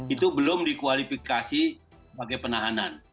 itu belum dikualifikasi sebagai penahanan